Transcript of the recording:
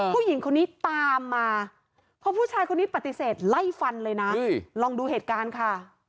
ผู้หญิงคนนี้ตามมาเพราะผู้ชายคนนี้ปฏิเสธไล่ฟันเลยนะลองดูเหตุการณ์ค่ะ